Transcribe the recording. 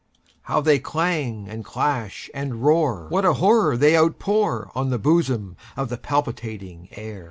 How they clang, and clash, and roar! What a horror they outpourOn the bosom of the palpitating air!